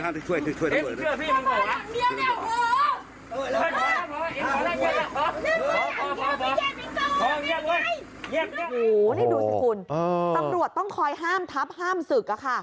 ตำรวจต้องคอยห้ามทับห้ามสึกค่ะ